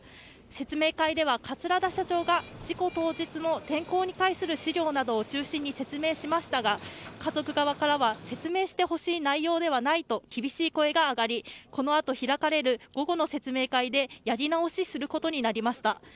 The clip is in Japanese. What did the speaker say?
説明会では桂田社長が事故当日の天候に対する資料などを中心に説明しましたが家族側からは説明してほしい内容ではないと厳しい声が上がりこのあと開かれる午後の説明会でやり直しすることになりました。